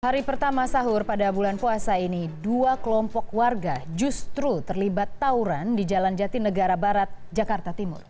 hari pertama sahur pada bulan puasa ini dua kelompok warga justru terlibat tawuran di jalan jati negara barat jakarta timur